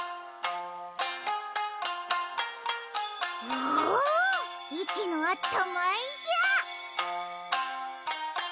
おおいきのあったまいじゃ。